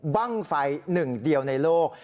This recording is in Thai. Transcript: บ้างไฟหนึ่งเดียวในโลก